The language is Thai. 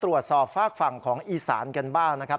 ฝากฝากฝั่งของอีสานกันบ้างนะครับ